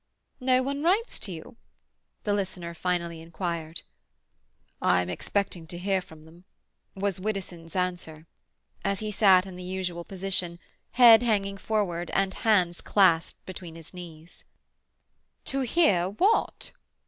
"No one writes to you?" the listener finally inquired. "I am expecting to hear from them," was Widdowson's answer, as he sat in the usual position, head hanging forward and hands clasped between his knees. "To hear what?"